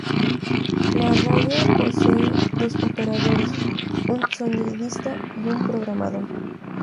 La radio posee dos operadores, un sonidista y un programador.